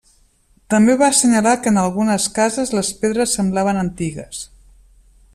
També va assenyalar que en algunes cases les pedres semblaven antigues.